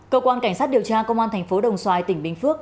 cơ quan cảnh sát điều tra công an tp đồng xoài tỉnh bình phước